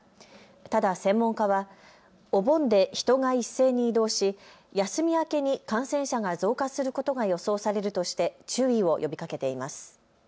ただ専門家はお盆で人が一斉に移動し、休み明けに感染者が増加することが予想されるとして注意を呼びかけています。